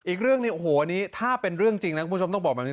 อีกเรื่องหนึ่งโอ้โหอันนี้ถ้าเป็นเรื่องจริงนะคุณผู้ชมต้องบอกแบบนี้